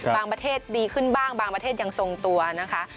ประเทศดีขึ้นบ้างบางประเทศยังทรงตัวนะคะ